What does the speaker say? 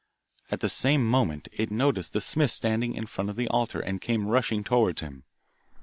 At the same moment, it noticed the smith standing in front of the altar, and came rushing towards him.